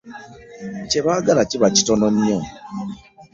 Kye baagala kiba kitono nnyo.